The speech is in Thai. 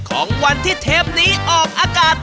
ของวันที่เทปนี้ออกอากาศ